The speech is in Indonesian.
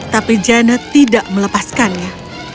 tapi janet tidak melepaskannya